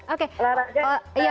oh olahraganya tadi ya